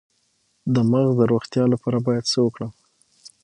د مغز د روغتیا لپاره باید څه وکړم؟